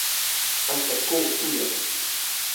Ансяк ков туят?